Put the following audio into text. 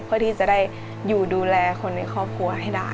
เพื่อที่จะได้อยู่ดูแลคนในครอบครัวให้ได้